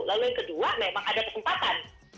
lalu yang kedua memang ada kesempatan